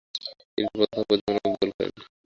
তিনি তার প্রথম প্রতিযোগিতামূলক গোল করেন।